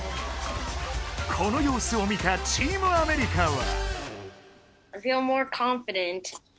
このようすを見たチームアメリカは。